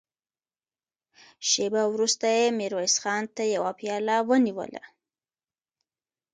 شېبه وروسته يې ميرويس خان ته يوه پياله ونيوله.